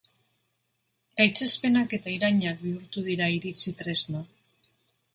Gaitzespenak eta irainak bihurtu dira iritzi tresna.